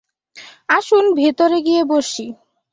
আসুন, ভেতরে গিয়ে বসি।